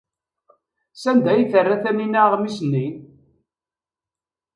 Sanda ay terra Taninna aɣmis-nni?